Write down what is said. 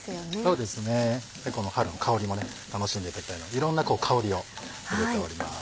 そうですねこの春の香りも楽しんでいただきたいのでいろんな香りを入れております。